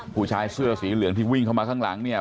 ผู้ชายเสื้อสีเหลืองที่วิ่งเข้ามาข้างหลังเนี่ย